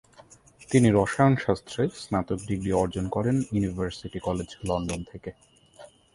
তিনি রসায়ন শাস্ত্রে স্নাতক ডিগ্রি অর্জন করেন ইউনিভার্সিটি কলেজ লন্ডন থেকে।